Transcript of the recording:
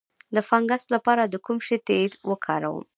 د فنګس لپاره د کوم شي تېل وکاروم؟